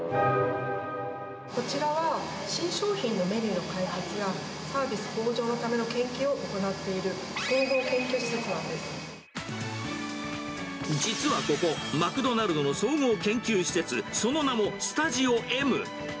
こちらは、新商品のメニューの開発や、サービス向上のための研究を行っている、実はここ、マクドナルドの総合研究施設、その名もスタジオＭ。